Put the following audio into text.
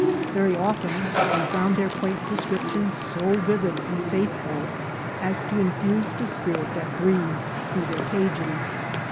Very often we found their quaint descriptions so vivid and faithful as to infuse the spirit that breathed through their pages.